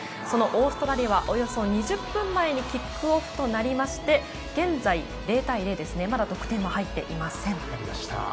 そのオーストラリアはおよそ２０分前にキックオフとなって現在０対０とまだ得点は入っていません。